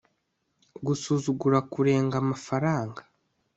Gusuzugura kurenga amafaranga